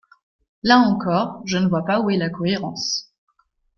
Là encore, je ne vois pas où est la cohérence.